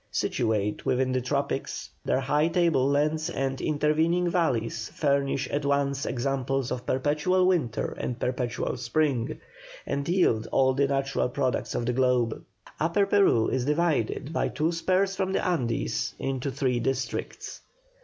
Situate within the tropics, their high tablelands and intervening valleys furnish at once examples of perpetual winter and perpetual spring, and yield all the natural products of the globe. Upper Peru is divided by two spurs from the Andes into three districts.